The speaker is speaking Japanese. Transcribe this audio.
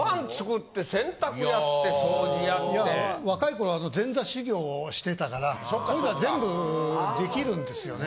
若い頃は前座修行をしてたからこういうのは全部できるんですよね。